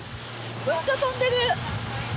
むっちゃ跳んでる！